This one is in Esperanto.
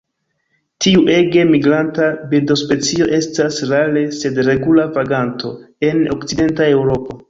Tiu ege migranta birdospecio estas rare sed regula vaganto en okcidenta Eŭropo.